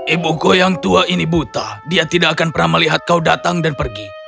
ibu kau yang tua ini buta dia tidak akan pernah melihat kau datang dan pergi